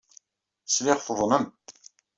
Sliɣ tuḍnem.